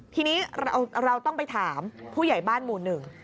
ทีนี้เราต้องไปถามผู้ใหญ่บ้านหมู่หนึ่ง